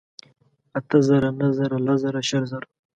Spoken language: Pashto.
اتۀ زره ، نهه زره لس ژره شل زره